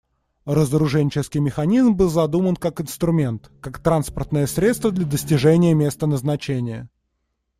Разоруженческий механизм был задуман как инструмент, как транспортное средство для достижения места назначения.